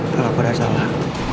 kalau aku ada salah